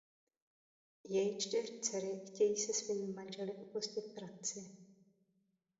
Jejich čtyři dcery chtějí se svými manžely opustit Francii.